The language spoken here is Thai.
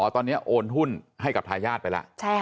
อ๋อตอนเนี่ยโอนหุ้นให้กับทายาทไปละ